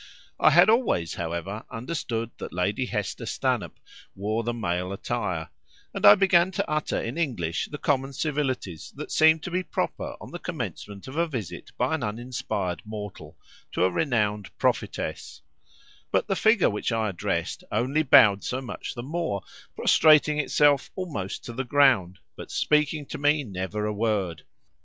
I had always, however, understood that Lady Hester Stanhope wore the male attire, and I began to utter in English the common civilities that seemed to be proper on the commencement of a visit by an uninspired mortal to a renowned prophetess; but the figure which I addressed only bowed so much the more, prostrating itself almost to the ground, but speaking to me never a word.